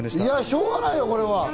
しょうがないよこれは。